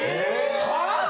・はあ？